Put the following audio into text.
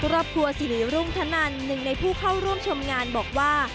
ครอบครัวสิริรุ่งธนันหนึ่งในผู้เข้าร่วมชมงานบอกว่า